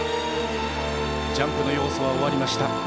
ジャンプの要素は終わりました。